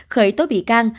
khởi tố bị can